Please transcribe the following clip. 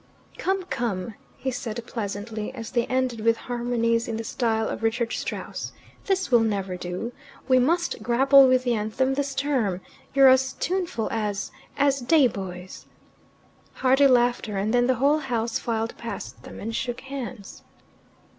"Come, come," he said pleasantly, as they ended with harmonies in the style of Richard Strauss. "This will never do. We must grapple with the anthem this term you're as tuneful as as day boys!" Hearty laughter, and then the whole house filed past them and shook hands.